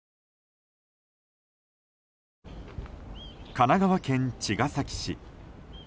神奈川県茅ケ崎市。